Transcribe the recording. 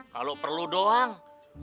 kalau perlu doang